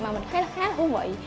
mà mình thấy nó khá là thú vị